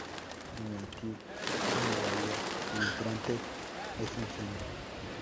En latín, una bahía o entrante es un seno.